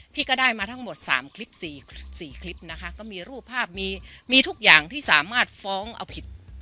พี่ก็ได้มาทั้งหมด๓คลิป๔คลิปนะคะก็มีรูปภาพมีทุกอย่างที่สามารถฟ้องเอาผิด